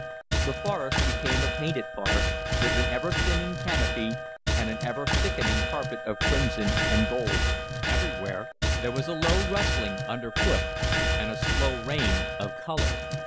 The forest became a painted forest, with an ever thinning canopy and an ever thickening carpet of crimson and gold; everywhere there was a low rustling underfoot and a slow rain of color.